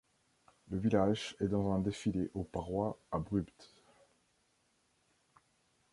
Le village est dans un défilé aux parois abruptes.